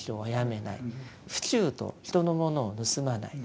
不偸盗人のものを盗まない。